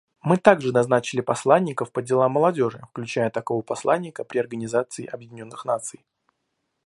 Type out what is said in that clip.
Мы также назначили посланников по делам молодежи, включая такого посланника при Организации Объединенных Наций.